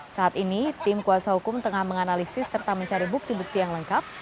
saat ini tim kuasa hukum tengah menganalisis serta mencari bukti bukti yang lengkap